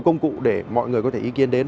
công cụ để mọi người có thể ý kiến đến